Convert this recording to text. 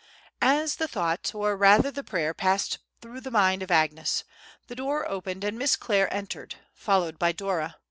As the thought, or rather the prayer, passed through the mind of Agnes, the door opened and Miss Clare entered, followed by Dora.